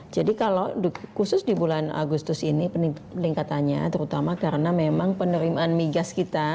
jadi kalau khusus di bulan agustus ini peningkatannya terutama karena memang penerimaan migas kita